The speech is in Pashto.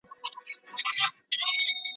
پټ به مي ساتمه له اغیار څخه لانده لېمه